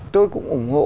tôi cũng ủng hộ